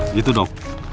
nah itu dong